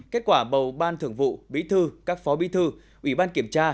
kết quả bầu ban thưởng vụ bí thư các phó bí thư ủy ban kiểm tra